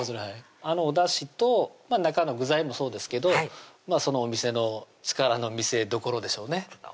あのおだしと中の具材もそうですけどお店の力の見せどころでしょうね